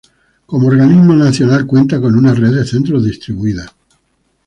Como organismo nacional, cuenta con una red de centros distribuida.